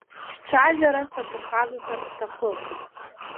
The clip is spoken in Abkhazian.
Шәцәажәара саԥырхагахар сҭахым…